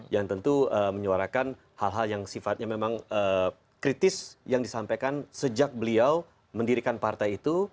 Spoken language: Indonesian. yang tentu menyuarakan hal hal yang sifatnya memang kritis yang disampaikan sejak beliau mendirikan partai itu